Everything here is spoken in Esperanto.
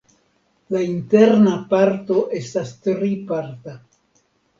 La interna parto estas triparta.